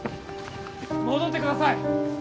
戻ってください